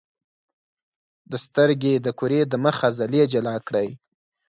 د سترګې د کرې د مخ عضلې جلا کړئ.